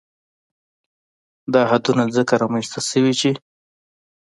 دا حدونه ځکه رامنځ ته شوي چې